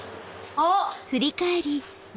あっ！